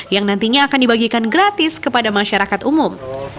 yang nantinya akan dibagikan gratis kepada masyarakat umum